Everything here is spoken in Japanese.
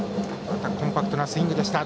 コンパクトなスイングでした。